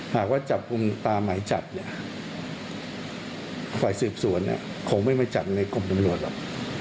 หากว่าจับภูมิตามัยจับฝ่ายสืบสวนคงไม่มัยจับในกรมตำรวจหรอก